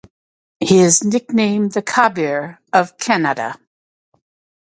He is nicknamed the "Kabir of Kannada".